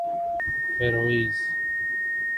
فیروئیز